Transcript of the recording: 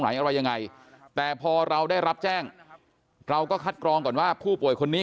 อะไรยังไงแต่พอเราได้รับแจ้งเราก็คัดกรองก่อนว่าผู้ป่วยคนนี้